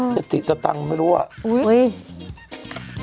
สติสตังค์ไม่รู้อ่ะ